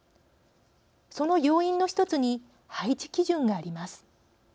その要因の１つに配置基準があります。